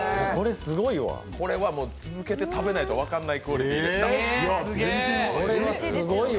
これは続けて食べないと分からないクオリティーでした。